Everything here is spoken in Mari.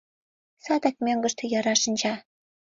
Садак мӧҥгыштӧ яра шинча.